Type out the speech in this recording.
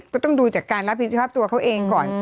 ก็ต้องดูจากการรับผิดชอบตัวเขาเองก่อน